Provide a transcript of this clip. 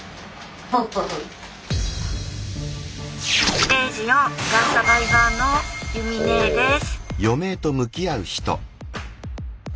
ステージ４がんサバイバーのゆみねーです。